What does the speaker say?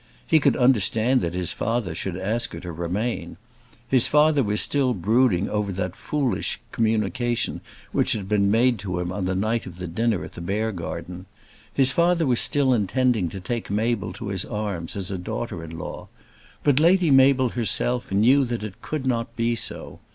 He could understand that his father should ask her to remain. His father was still brooding over that foolish communication which had been made to him on the night of the dinner at the Beargarden. His father was still intending to take Mabel to his arms as a daughter in law. But Lady Mabel herself knew that it could not be so!